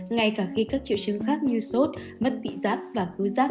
ngay cả khi các triệu chứng khác như sốt mất vị giác và khứ giác